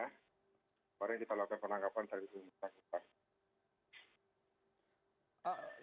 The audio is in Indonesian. kemarin kita lakukan penangkapan dari jumat sakit